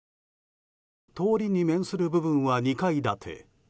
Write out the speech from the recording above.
通りに面する部分は２階建て。